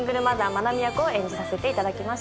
真名美役を演じさせていただきました。